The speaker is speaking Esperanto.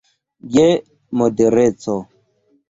Je modereco.